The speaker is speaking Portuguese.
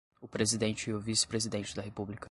o presidente e o vice-presidente da República